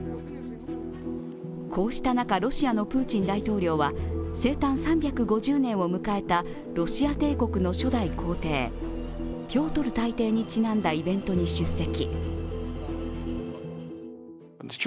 こうした中、ロシアのプーチン大統領は生誕３５０年を迎えたロシア帝国の初代皇帝、ピョートル大帝にちなんだイベントに出席。